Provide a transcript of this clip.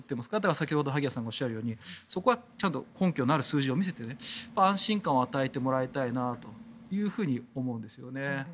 先ほど萩谷さんがおっしゃるようにそこはちゃんと根拠のある数字を見せて安心感を与えてもらいたいなと思うんですね。